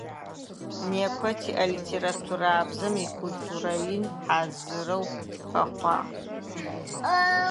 Непэ тиӏэ литературабзэм икультурэ ин хьазырэу хэхъуагъ.